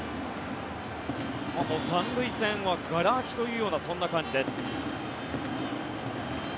３塁線はがら空きというそんな感じです。